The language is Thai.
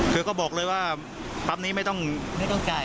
คือก็บอกเลยว่าปั๊บนี้ไม่ต้องจ่าย